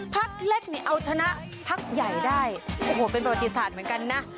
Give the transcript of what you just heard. พักเล็กนี่เอาชนะพักใหญ่ได้โอ้โหเป็นประวัติศาสตร์เหมือนกันนะ